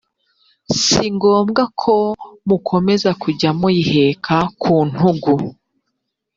si ngombwa ko mukomeza kujya muyiheka ku ntugu